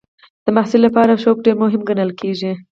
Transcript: د محصل لپاره شوق ډېر مهم ګڼل کېږي.